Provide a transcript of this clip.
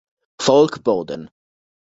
Falk Boden